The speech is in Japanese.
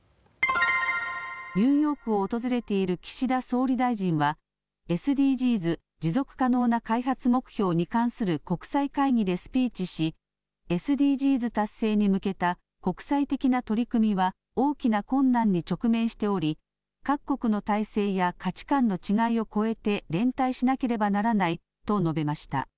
ニューヨークを訪れている岸田総理大臣はＳＤＧｓ・持続可能な開発目標に関する国際会議でスピーチしＳＤＧｓ達成に向けた国際的な取り組みは大きな困難に直面しており各国の体制や価値観の違いを超えて連帯しなければならないと述べました。